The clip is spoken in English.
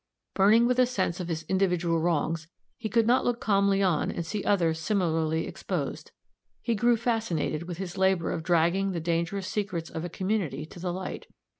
Burning with a sense of his individual wrongs, he could not look calmly on and see others similarly exposed; he grew fascinated with his labor of dragging the dangerous secrets of a community to the light.